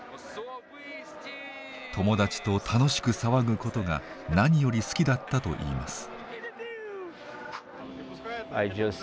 友達と楽しく騒ぐことが何より好きだったと言います。